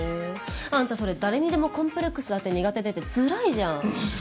あんたそれ誰にでもコンプレックスあって苦手でってつらいじゃん。